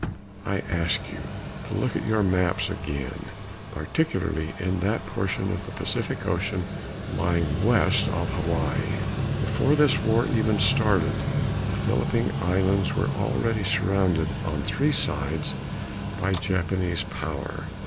I ask you to look at your maps again, particularly at that portion of the Pacific Ocean lying west of Hawaii. Before this war even started, the Philippine Islands were already surrounded on three sides by Japanese power.